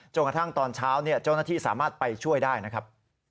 กระทั่งตอนเช้าเจ้าหน้าที่สามารถไปช่วยได้นะครับ